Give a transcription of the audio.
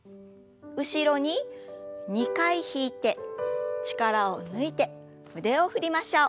後ろに２回引いて力を抜いて腕を振りましょう。